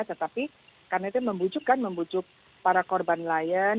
tetapi karena itu membujuk kan membujuk para korban lain